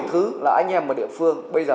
thứ là anh em ở địa phương bây giờ